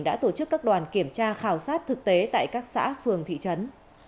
đã tổ chức các đoàn kiểm tra khảo sát thực tế tại các xã phường thị trấn